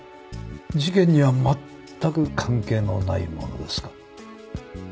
事件にはまったく関係のないものですか？